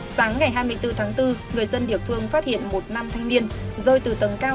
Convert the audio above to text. sáng ngày hai mươi bốn tháng bốn người dân địa phương phát hiện một nam thanh niên rơi từ tầng cao